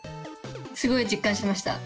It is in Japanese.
すごい実感しました。